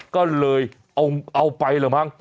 ก็เลยเอาไปเหรอมั้ง